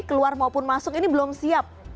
keluar maupun masuk ini belum siap